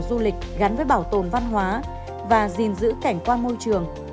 du lịch gắn với bảo tồn văn hóa và gìn giữ cảnh quan môi trường